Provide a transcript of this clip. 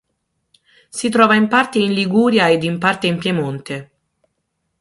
Si trova in parte in Liguria ed in parte in Piemonte.